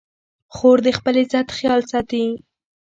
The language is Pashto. خور د خپل عزت خیال ساتي.